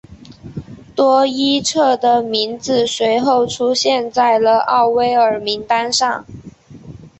多伊彻的名字随后出现在了奥威尔名单上。